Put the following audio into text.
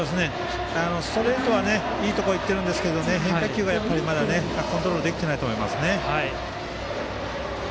ストレートはいいところに行ってるんですが変化球が、まだコントロールをできていないと思います。